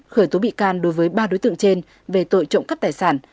khởi tố bị can đối với ba đối tượng trên về tội trộm cắp tài sản